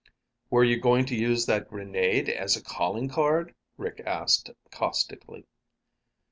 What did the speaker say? "Were you going to use that grenade as a calling card?" Rick asked caustically.